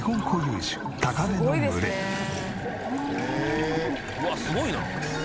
「うわっすごいな」